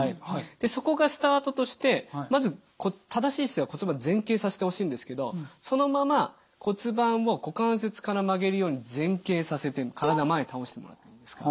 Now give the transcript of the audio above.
でそこがスタートとしてまず正しい姿勢は骨盤前傾させてほしいんですけどそのまま骨盤を股関節から曲げるように前傾させて体前に倒してもらっていいですか。